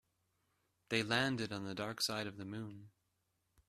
They landed on the dark side of the moon.